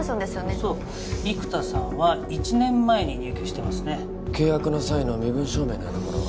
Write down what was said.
そう生田さんは１年前に入居してますね契約の際の身分証明のようなものは？